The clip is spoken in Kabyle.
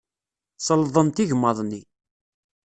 Selḍent igmaḍ-nni.